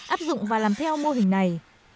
áp dụng và làm theo mô hình này